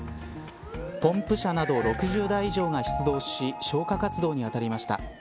ポンプ車など６０台以上が出動し消火活動に当たりました。